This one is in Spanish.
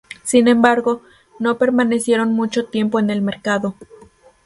Sin embargo, no permanecieron mucho tiempo en el mercado.